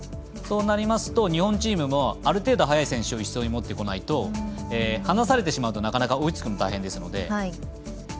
そうなりますと日本チームもある程度速い選手を１走に持ってこないと離されてしまうとなかなか追いつくの大変ですので。